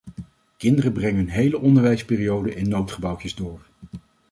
Kinderen brengen hun hele onderwijsperiode in noodgebouwtjes door.